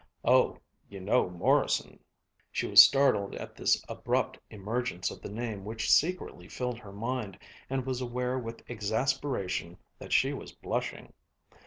"Oh, you know Morrison?" She was startled at this abrupt emergence of the name which secretly filled her mind and was aware with exasperation that she was blushing.